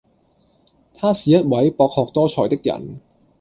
他是一位博學多才的人